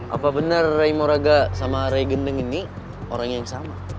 apa bener rey moraga sama rey gendeng ini orangnya yang sama